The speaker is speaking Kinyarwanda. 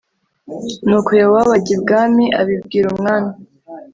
Nuko Yowabu ajya ibwami, abibwira umwami